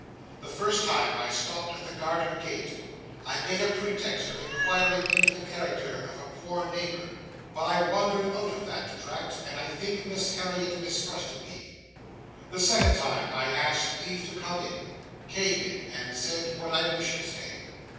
The first time I stopped at the garden gate, I made a pretext of inquiring into the character of a poor neighbour; but I wandered out of that tract, and I think Miss Harriet mistrusted me. The second time I asked leave to come in; came in; and said what I wished to say.